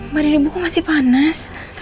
marilu ibu kok masih panas